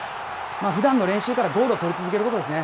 ふだんの練習からゴールを取り続けることですね。